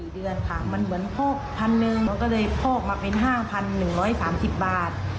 ๔เดือนค่ะมันเหมือนพอกพันหนึ่งมันก็เลยพอกมาเป็น๕๑๓๐บาท